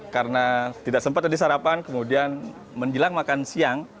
karena tidak sempat tadi sarapan kemudian menjelang makan siang